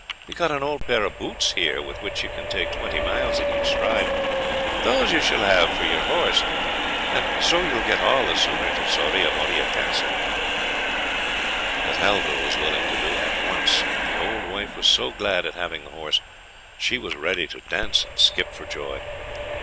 we've got an old pair of boots here, with which you can take twenty miles at each stride; those you shall have for your horse, and so you'll get all the sooner to Soria Moria Castle." That Halvor was willing to do at once; and the old wife was so glad at having the horse, she was ready to dance and skip for joy.